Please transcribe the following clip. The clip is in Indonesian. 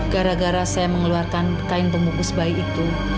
gara gara saya mengeluarkan kain pembukus bayi itu